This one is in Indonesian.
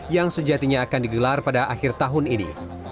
yang sejatinya akan digelar pada akhir tahun ini